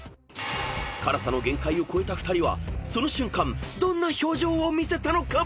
［辛さの限界を超えた２人はその瞬間どんな表情を見せたのか］